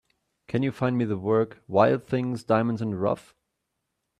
Can you find me the work, Wild Things: Diamonds in the Rough?